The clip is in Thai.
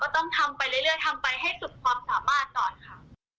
ต้องทำไปเรื่อยทำไปให้สุดความสามารถก่อนค่ะ